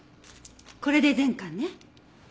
これで全巻ね。